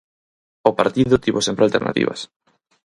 O partido tivo sempre alternativas.